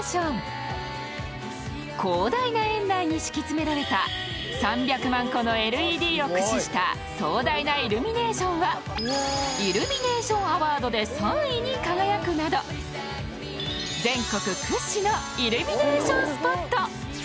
広大な園内に敷きつめられた３００万個のＬＥＤを駆使した壮大なイルミネーションはイルミネーションアワードで３位に輝くなど全国屈指のイルミネーションスポット。